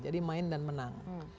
jadi main dan menang